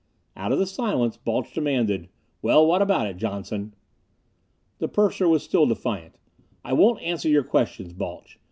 Out of the silence, Balch demanded, "Well, what about it, Johnson?" The purser was still defiant. "I won't answer your questions, Balch.